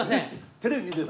テレビ見てた？